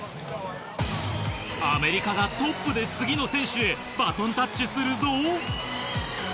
アメリカがトップで次の選手へバトンタッチするぞ。